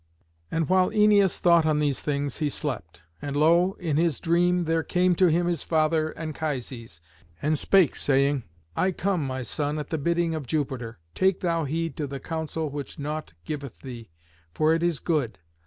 And while Æneas thought on these things he slept. And lo! in his dream there came to him his father, Anchises, and spake, saying, "I come, my son, at the bidding of Jupiter. Take thou heed to the counsel which Nautes giveth thee, for it is good.